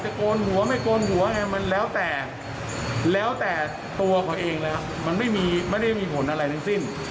ตัวของเองนะครับมันไม่มีไม่ได้มีผลอะไรทั้งสิ้น